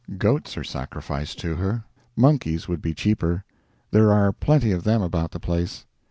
Goats are sacrificed to her. Monkeys would be cheaper. There are plenty of them about the place.